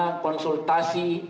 di mana konsultasi